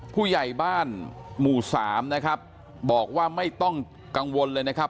ผู้ใหญ่บ้านหมู่สามนะครับบอกว่าไม่ต้องกังวลเลยนะครับ